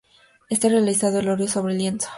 Está realizado al óleo sobre lienzo.